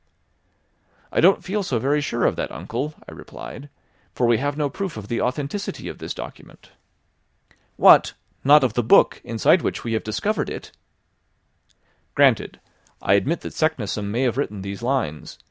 "I don't feel so very sure of that, uncle," I replied; "for we have no proof of the authenticity of this document." "What! not of the book, inside which we have discovered it?" "Granted. I admit that Saknussemm may have written these lines.